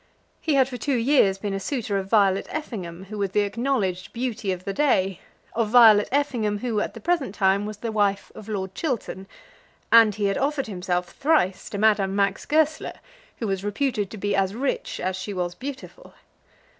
He had for two years been a suitor of Violet Effingham, who was the acknowledged beauty of the day, of Violet Effingham who, at the present time, was the wife of Lord Chiltern; and he had offered himself thrice to Madame Max Goesler, who was reputed to be as rich as she was beautiful.